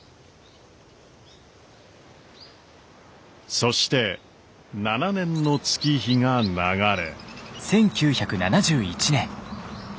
そして７年の月日が流れ。